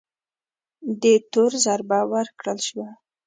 دې تور ضربه ورکړل شوه